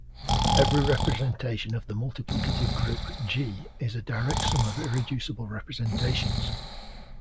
Every representation of the multiplicative group "G" is a direct sum of irreducible representations.